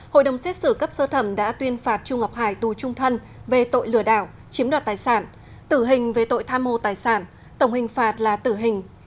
hội đồng xét xử cấp sơ thẩm đã tuyên phạt trung ngọc hải tù trung thân về tội lừa đảo chiếm đoạt tài sản tử hình về tội tham mô tài sản tổng hình phạt là tử hình